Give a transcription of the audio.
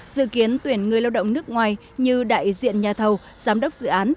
dự kiến tuyển người lao động nước ngoài như đại diện nhà thầu giám đốc dự án